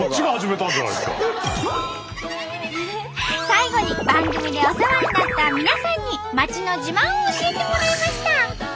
最後に番組でお世話になった皆さんに町の自慢を教えてもらいました。